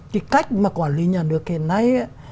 cái cách mà quản lý nhà nước hiện nay